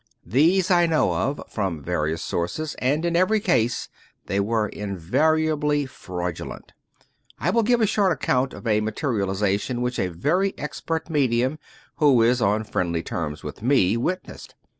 These I know of, from various sources, and in every case they were invariably fraudulent. I will g^ve a short account of a materialization which a very expert medium, who is on friendly terms with me, witnessed.